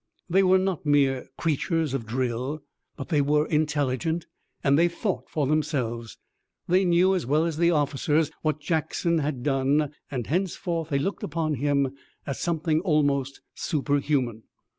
They were not mere creatures of drill, but they were intelligent, and they thought for themselves. They knew as well as the officers what Jackson had done and henceforth they looked upon him as something almost superhuman.